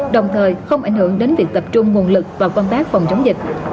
đồng thời không ảnh hưởng đến việc tập trung nguồn lực và công tác phòng chống dịch